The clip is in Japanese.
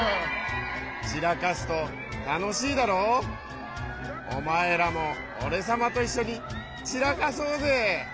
ちらかすとたのしいだろう？おまえらもオレさまといっしょにちらかそうぜ！